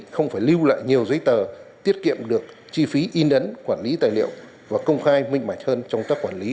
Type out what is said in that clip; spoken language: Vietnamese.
không phải lưu lại nhiều giấy tờ tiết kiệm được chi phí in ấn quản lý tài liệu và công khai minh mạch hơn trong công tác quản lý